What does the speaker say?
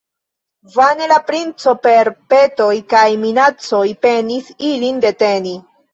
Vane la princo per petoj kaj minacoj penis ilin deteni.